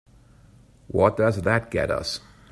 What does that get us?